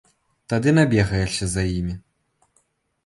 Тады набегаешся за імі.